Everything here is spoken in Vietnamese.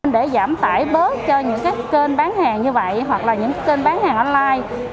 để giảm tải bớt cho những kênh bán hàng như vậy hoặc là những kênh bán hàng online